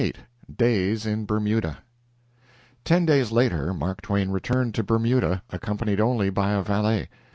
LXVIII DAYS IN BERMUDA Ten days later Mark Twain returned to Bermuda, accompanied only by a valet.